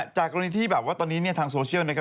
จากกรณีที่แบบว่าตอนนี้ทางโซเชียล